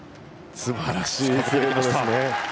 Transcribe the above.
すばらしい精度ですね。